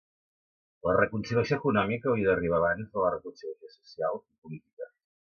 La reconciliació econòmica hauria d'arribar abans de la reconciliació social i política.